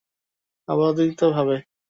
আবার অতিরিক্ত ভাবে।